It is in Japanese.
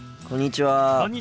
こんにちは。